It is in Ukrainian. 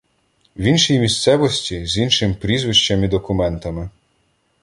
В іншій місцевості, з іншим прізвищем і документами.